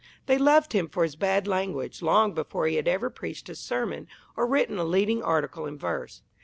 They loved him for his bad language long before he had ever preached a sermon or written a leading article in verse.